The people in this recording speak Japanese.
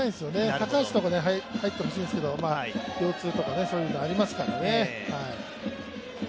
高橋とかに入ってほしいんですけど、腰痛とか、そういうのがありますからね。